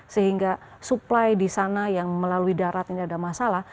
sehingga supply di sana yang melalui darat ini ada masalah